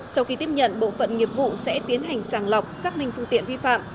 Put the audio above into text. sau khi tiếp nhận bộ phận nghiệp vụ sẽ tiến hành sàng lọc xác minh phương tiện vi phạm